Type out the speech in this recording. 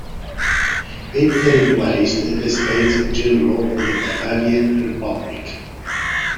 It replaced the States-General of the Batavian Republic.